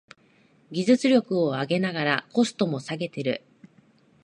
技術力を上げながらコストも下げてる